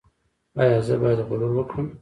ایا زه باید غرور وکړم؟